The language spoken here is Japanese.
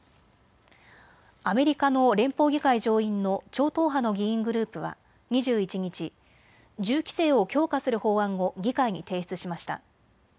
アメリカの連邦議会上院の超党派の議員グループは２１日、銃規制を強化する法案を議会に提出しました。